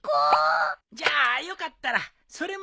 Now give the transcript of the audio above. じゃあよかったらそれもお食べ。